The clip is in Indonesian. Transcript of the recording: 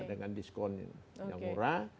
dengan diskon yang murah